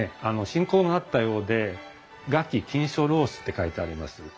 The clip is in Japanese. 親交があったようで「臥起弄琴書」って書いてあります。